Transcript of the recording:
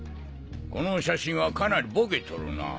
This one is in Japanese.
この写真はかなりボケとるな。